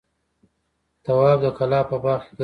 تواب د کلا په باغ کې ګرځېده.